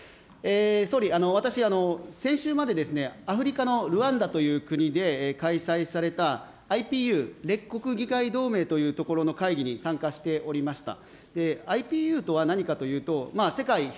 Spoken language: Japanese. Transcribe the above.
総理、私、先週までアフリカのルワンダという国で開催されたＩＰＵ・列国議会同盟というところの会議に参加しておりました。